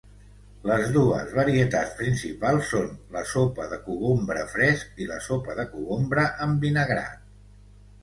Les dues varietats principals són la sopa de cogombre fresc i la sopa de cogombre envinagrat.